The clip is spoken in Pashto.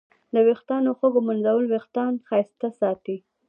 د ویښتانو ښه ږمنځول وېښتان ښایسته ساتي.